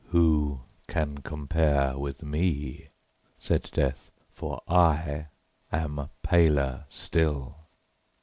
"Who can compare with me?" said Death, "for I am paler still."